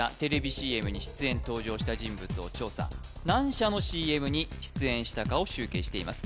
ＣＭに出演登場した人物を調査何社のＣＭに出演したかを集計しています